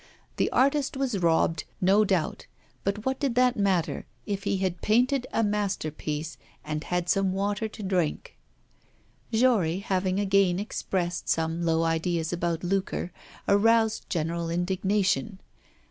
The artist was robbed, no doubt, but what did that matter, if he had painted a masterpiece, and had some water to drink? Jory, having again expressed some low ideas about lucre, aroused general indignation.